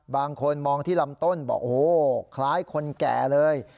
บางคนมองที่ลำต้นบอกโอ้โหคล้ายคนแก่เลย